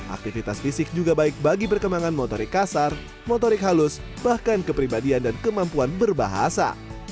aktivitas fisik juga baik bagi perkembangan motorik kasar motorik halus bahkan kepribadian dan kemampuan berbahasa